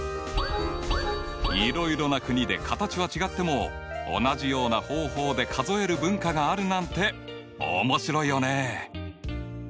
いろいろな国で形は違っても同じような方法で数える文化があるなんて面白いよね！